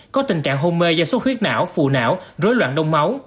có tình trạng hôn mê do xuất huyết não phù não rối loạn đông máu